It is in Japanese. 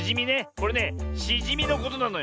これねしじみのことなのよね。